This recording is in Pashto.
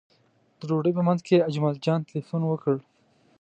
د ډوډۍ په منځ کې اجمل جان تیلفون وکړ.